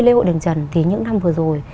lễ hội đền trần thì những năm vừa rồi